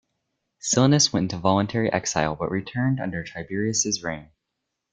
Silanus went into voluntary exile, but returned under Tiberius' reign.